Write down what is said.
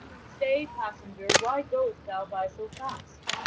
•I Stay, passenger, why goest thov by so fast?